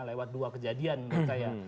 lewat dua kejadian menurut saya